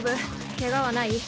ケガはない？